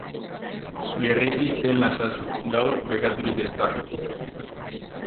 Gerritik hel nazazu, gaur bekaturik ez da.